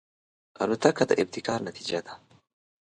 الوتکه د ابتکار نتیجه ده.